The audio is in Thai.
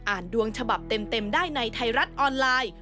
ดวงฉบับเต็มได้ในไทยรัฐออนไลน์